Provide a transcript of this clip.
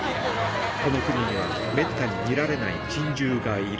この国ではめったに見られない珍獣がいる。